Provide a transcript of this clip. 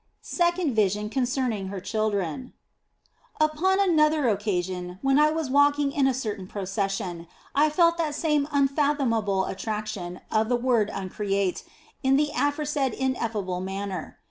SECOND VISION CONCERNING HER CHILDREN UPON another occasion, when I was walking in a certain procession, I felt that same unfathomable attraction of the Word Uncreate in the aforesaid ineffable manner.